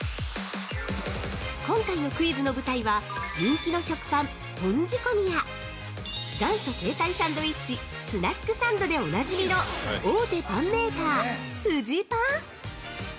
今回のクイズの舞台は、人気の食パン「本仕込」や元祖携帯サンドィッチ「スナックサンド」でおなじみの大手パンメーカー「フジパン」！